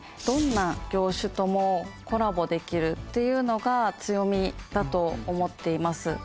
どんな業種ともコラボできるっていうのが強みだと思っています。